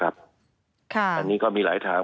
อันนี้ก็มีหลายทาง